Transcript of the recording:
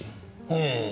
ええ。